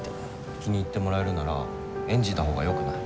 気に入ってもらえるなら演じたほうがよくない？